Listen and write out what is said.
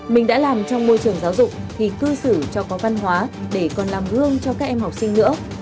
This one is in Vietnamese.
mình đã làm trong môi trường giáo dục thì cư xử cho có văn hóa để còn làm gương cho các em học sinh nữa